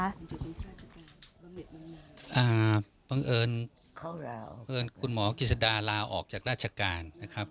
อ่าบังเอิญคุณหมอกิจดาลาออกจากราชการนะครับ